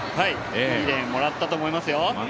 いいレーンをもらったと思いますよ。